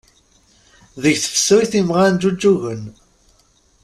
Deg tefsut imɣan ǧǧuǧugen.